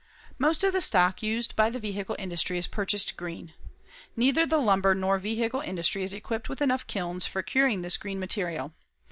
Most of the stock used by the vehicle industry is purchased green. Neither the lumber nor vehicle industry is equipped with enough kilns for curing this green material.